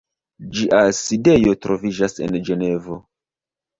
Ĝia sidejo troviĝas en Ĝenevo.